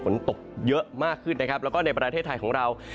แล้วก็ในประเทศไทยของเรา